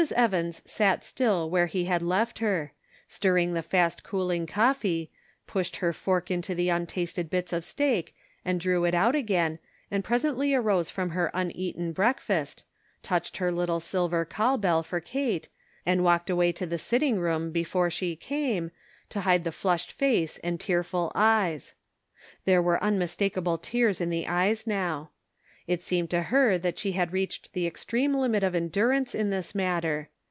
Evans sat still where he had left her ; stirring the fast cooling coffee, pushed her fork into the untasted bits of steak, and drew it out again, and presently arose from her uneaten breakfast, touched her little silver call bell for Kate, aud walked away to the sitting room, before she came, to hide the flushed face and tearful eyes. There were unmistakable tears in the eyes now. It seemed to her that she had reached the extreme limit of endurance in this matter.